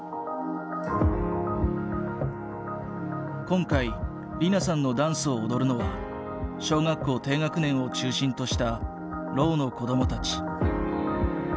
今回莉菜さんのダンスを踊るのは小学校低学年を中心としたろうの子どもたち。